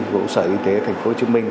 công sở y tế tp hcm